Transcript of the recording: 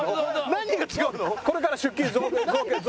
何が違うの？